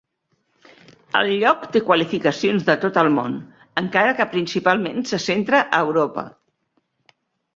El lloc té qualificacions de tot el món, encara que principalment se centra a Europa.